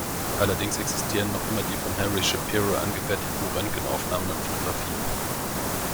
Allerdings existieren noch immer die von Harry Shapiro angefertigten Röntgenaufnahmen und Fotografien.